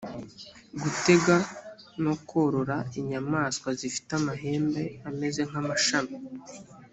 gutega no korora inyamaswa zifite amahembe ameze nk’amashami